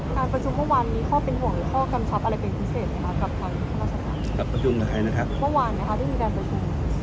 การประชุมเมื่อวานมีข้อกำชับหรือข้อกำชับอะไรเป็นพิเศษ